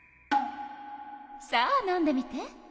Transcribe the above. さあ飲んでみて。